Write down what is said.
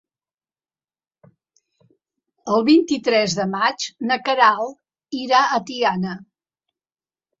El vint-i-tres de maig na Queralt irà a Tiana.